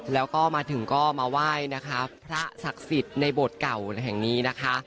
แล้วก็มาถึงก็มาไหว้นะคะพระศักดิ์สิทธิ์ในโบสถ์เก่าแห่งนี้นะคะ